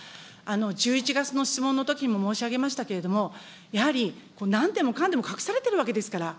１１月の質問のときにも申し上げましたけれども、やはりなんでもかんでも隠されてるわけですから。